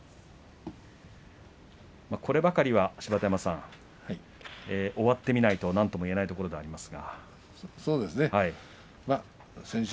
こればかりは芝田山さん終わってみないとなんとも言えないところですか。